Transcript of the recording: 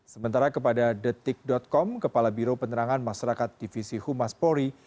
sementara kepada detik com kepala biro penerangan masyarakat divisi humas polri